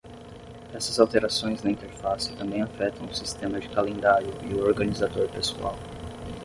Essas alterações na interface também afetam o sistema de calendário e o organizador pessoal.